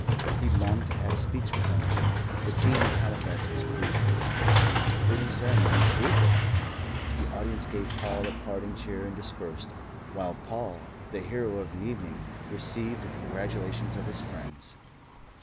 He longed to have speech with them, The Dean of Halifax was brief, the concluding ceremonies briefer. The audience gave Paul a parting cheer and dispersed, while Paul, the hero of the evening, received the congratulations of his friends.